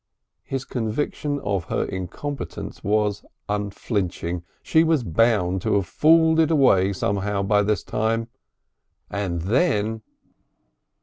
His conviction of her incompetence was unflinching; she was bound to have fooled it away somehow by this time. And then!